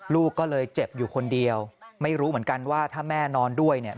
ลูกก็เลยเจ็บอยู่คนเดียวไม่รู้เหมือนกันว่าถ้าแม่นอนด้วยเนี่ย